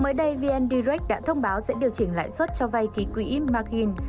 mới đây vn direc đã thông báo sẽ điều chỉnh lãi suất cho vay ký quỹ margin